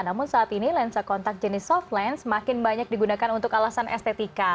namun saat ini lensa kontak jenis soft lens makin banyak digunakan untuk alasan estetika